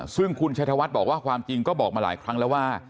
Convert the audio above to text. ซึ่งคุณชัยธวัฒน์บอกว่าความจริงก็บอกมาหลายครั้งแล้วว่า